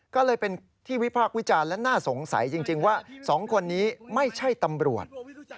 ก็เลยเป็นที่วิพากษ์วิจารณ์และน่าสงสัยจริงว่า๒คนนี้ไม่ใช่ตำรวจ